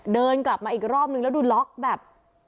เดินกลับมาอีกรอบนึงแล้วดูล็อกแบบ